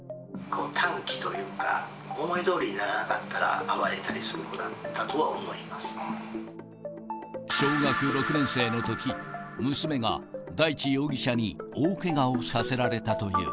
短気というか、思いどおりにならなかったら、暴れたりする子小学６年生のとき、娘が大地容疑者に大けがをさせられたという。